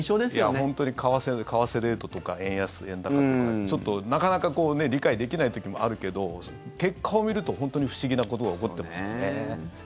本当に為替レートとか円安・円高とかなかなか理解できない時もあるけど結果を見ると本当に不思議なことが起こっていますよね。